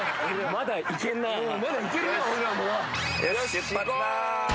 出発だ。